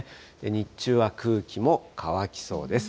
日中は空気も乾きそうです。